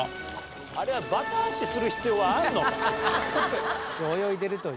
あれはバタ足する必要はあるのか？